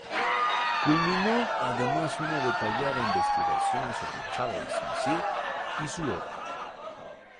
Culminó además una detallada investigación sobre Charles Messier y su obra.